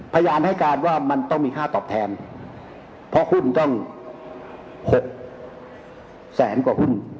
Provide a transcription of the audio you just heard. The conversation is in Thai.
พยานให้การว่ามันต้องมีค่าตอบแทนเพราะหุ้นต้อง๖แสนกว่าหุ้น